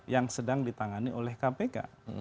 yang sedang ditangani oleh kpk